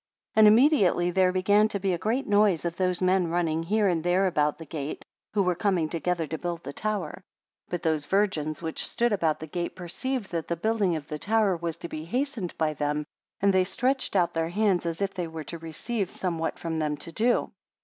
And immediately there began to be a great noise of those men running here and there about the gate, who were come together to build the tower. 24 But those virgins which stood about the gate perceived that the building of the tower was to be hastened by them. And they stretched out their hands, as if they were to receive somewhat from them to do.